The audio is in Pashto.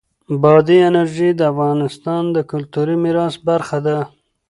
بادي انرژي د افغانستان د کلتوري میراث برخه ده.